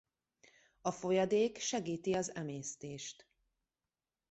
A folyadék segíti az emésztést.